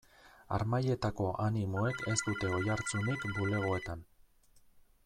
Harmailetako animoek ez dute oihartzunik bulegoetan.